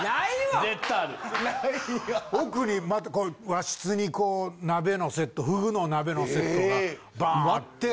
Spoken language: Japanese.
奥にまた和室にこう鍋のセットフグの鍋のセットがバーンあって。